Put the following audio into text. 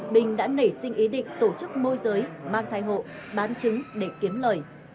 bình đã nể sinh ý định tổ chức môi giới mang thai hộ bán trứng để kiếm lợi